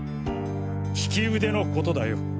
利き腕のことだよ。